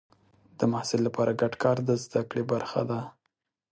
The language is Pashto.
د محصل لپاره ګډ کار د زده کړې برخه ده.